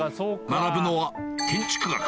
学ぶのは建築学